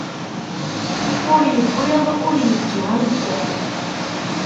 Ur yewwiḍ ur yeǧǧi amekkan.